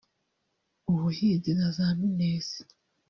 ubuhinzi na za mines